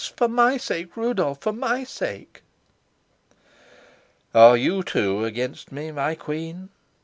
For my sake, Rudolf for my sake!" "Are you, too, against me, my queen?"